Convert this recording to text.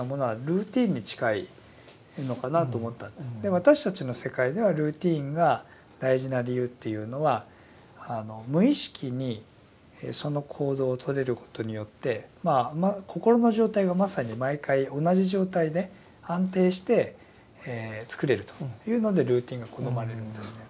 私たちの世界ではルーティンが大事な理由っていうのは無意識にその行動をとれることによって心の状態がまさに毎回同じ状態で安定してつくれるというのでルーティンが好まれるんですね。